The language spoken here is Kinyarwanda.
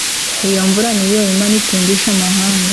iyo mvura ni yo imana itungisha amahanga